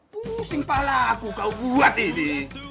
pusing pala aku kau buat ini